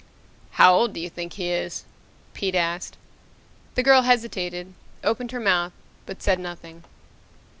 "How old do you think he is?" Pete asked. The girl hesitated, opened her mouth, but said nothing.